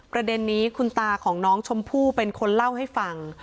ประเด็นนี้คุณตาของน้องชมพู่เป็นคนเล่าให้ฟัง